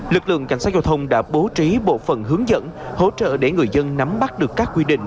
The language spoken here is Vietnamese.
lực lượng cảnh sát giao thông đã bố trí bộ phần hướng dẫn hỗ trợ để người dân nắm bắt được các quy định